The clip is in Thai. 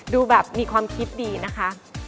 ดูแบบมีความคิดดีนะคะ